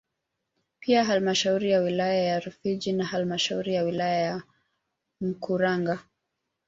Pia halmashauri ya wilaya ya Rufiji na halmashauri ya wilaya ya Mkuranga